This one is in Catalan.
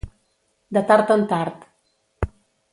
De tard en tard.